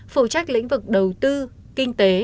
phụ trách lĩnh vực đầu tư kinh tế